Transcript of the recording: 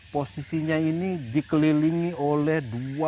posisinya ini dikelilingi oleh